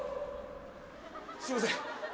すいません